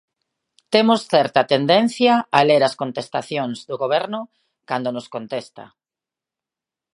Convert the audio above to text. Temos certa tendencia a ler as contestacións do Goberno cando nos contesta.